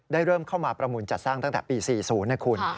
เริ่มเข้ามาประมูลจัดสร้างตั้งแต่ปี๔๐นะคุณ